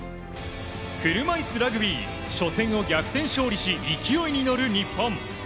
車いすラグビー初戦を逆転勝利し勢いに乗る日本。